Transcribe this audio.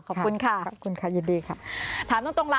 ขอบคุณค่ะ